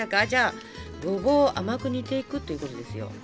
じゃあごぼうを甘く煮ていくっていうことですよ。